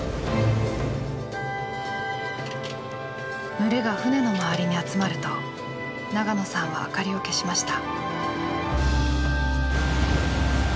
群れが船の周りに集まると長野さんは明かりを消しました。